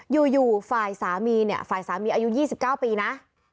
อยู่ฝ่ายสามีเนี่ยฝ่ายสามีอายุ๒๙ปีนะ